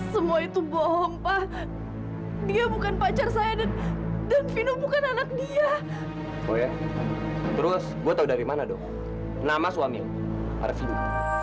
sampai jumpa di video selanjutnya